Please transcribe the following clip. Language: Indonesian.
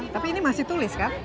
tapi ini masih tulis kan